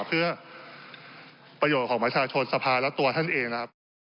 เพื่อประโยชน์ของประชาชนสภาและตัวท่านเองนะครับ